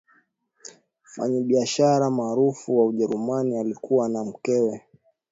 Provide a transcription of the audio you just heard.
mfanyabiashara maarufu wa ujerumani alikuwa na mkewe